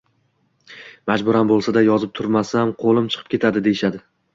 majburan bo‘lsa-da, yozib turmasam, “qo‘lim chiqib ketadi” deyishadi.